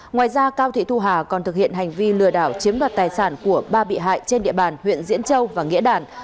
ngoài ra cao thị thu hà còn thực hiện hành vi lừa đảo chiếm đoạt tài sản của ba bị hại trên địa bàn huyện diễn châu và nghĩa đản